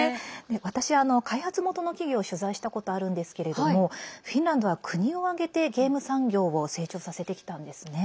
私、開発元の企業取材したことあるんですけれどもフィンランドは国を挙げてゲーム産業を成長させてきたんですね。